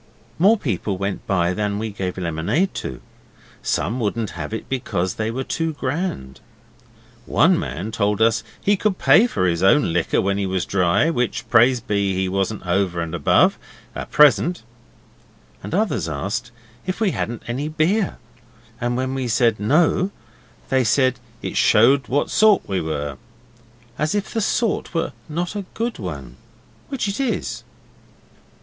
More people went by than we gave lemonade to. Some wouldn't have it because they were too grand. One man told us he could pay for his own liquor when he was dry, which, praise be, he wasn't over and above, at present; and others asked if we hadn't any beer, and when we said 'No', they said it showed what sort we were as if the sort was not a good one, which it is.